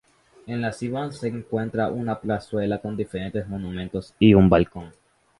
En la cima se encuentran una plazuela con diferentes monumentos y un balcón.